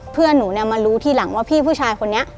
เพื่อนหนูเนี่ยมารู้ทีหลังว่าพี่ผู้ชายคนนี้